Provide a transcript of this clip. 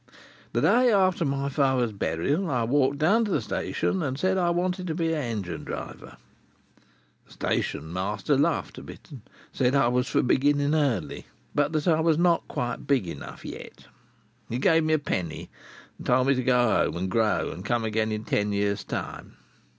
The day after my father's burial I walked down to the station, and said I wanted to be a engine driver. The station master laughed a bit, said I was for beginning early, but that I was not quite big enough yet. He gave me a penny, and told me to go home and grow, and come again in ten years' time.